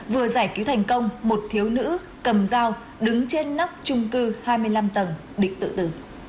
vừa giải cứu thành công một thiếu nữ cầm dao đứng trên nóc trung cư hai mươi năm tầng định tự tử